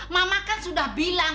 mama kan sudah bilang